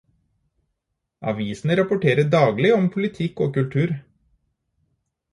Avisene rapporterer daglig om politikk og kultur.